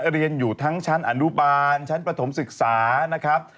เรียนอยู่ทั้งชั้นอนุบาลชั้นประถมศึกษานะครับ